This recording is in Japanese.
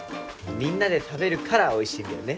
みんなで食べるからおいしいんだよね。